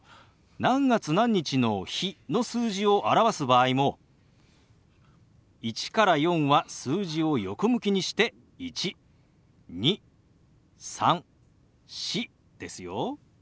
何月何日の「日」の数字を表す場合も１から４は数字を横向きにして「１」「２」「３」「４」ですよ。